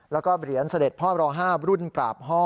แล้วก็เหรียญเสด็จพ่อรอ๕รุ่นกราบห้อ